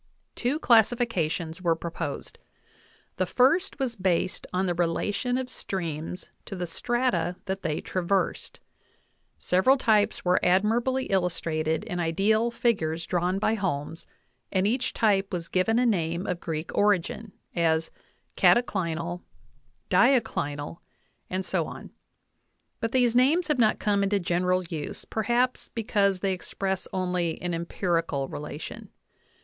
Two classifications were pro posed; the first was based on the relation of streams to the strata that they traversed ; several types were admirably illus trated in ideal figures drawn by Holmes, and each type was given a name of Greek origin, as cataclinal, diaclinal, and so on; but these names have not come into general use, perhaps because they express only an empirical relation.